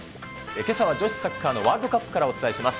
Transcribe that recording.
けさは女子サッカーのワールドカップからお伝えします。